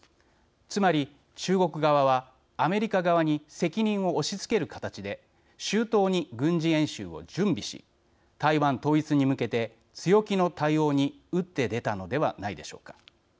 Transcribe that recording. つまり、中国側はアメリカ側に責任を押しつける形で周到に軍事演習を準備し台湾統一に向けて、強気の対応に打って出たのではないでしょうか。